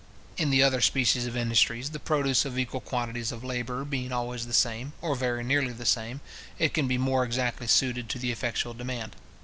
In the other species of industry, the produce of equal quantities of labour being always the same, or very nearly the same, it can be more exactly suited to the effectual demand.